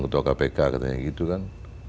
ketua kpk katanya gitu kan